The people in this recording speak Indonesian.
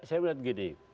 saya melihat begini